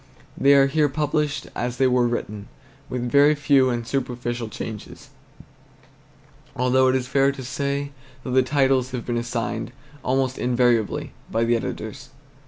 They are here published as they were written, with very few and superficial changes; although it is fair to say that the titles have been assigned, almost invariably, by the editors.